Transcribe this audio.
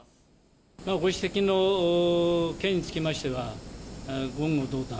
ご指摘の件につきましては、言語道断。